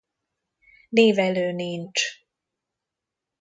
Névelő nincs.